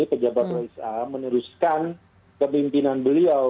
pejabat roh is'am meneruskan kepimpinan beliau